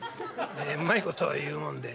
ええうまいことを言うもんで。